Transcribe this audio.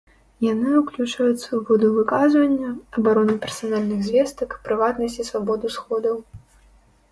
Яны ўключаюць свабоду выказвання, абарону персанальных звестак, прыватнасць і свабоду сходаў.